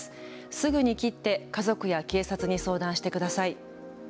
すぐに切って家族や警察に相談してください。